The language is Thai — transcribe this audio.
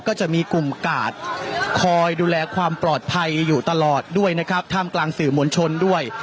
ก็จะมีกลุ่มกาดคอยดูแลความปลอดภัยอยู่ตลอดด้วยนะครับท่ามกลางสื่อมวลชนด้วย